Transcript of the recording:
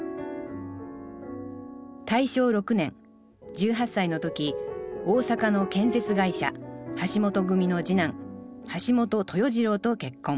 大正６年１８歳の時大阪の建設会社橋本組の次男橋本豊次郎と結婚。